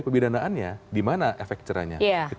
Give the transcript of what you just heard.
pidanaannya dimana efek jerahnya